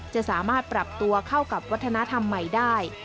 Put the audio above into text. จะสามารถปรับตัวเข้ากับวัฒนธรรมใหม่ได้